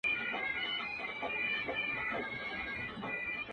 لا به تر څو د کربلا له تورو-